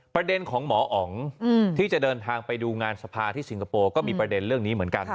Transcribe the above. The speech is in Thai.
ประเด็นของหมออ๋องที่จะเดินทางไปดูงานสภาที่สิงคโปร์ก็มีประเด็นเรื่องนี้เหมือนกัน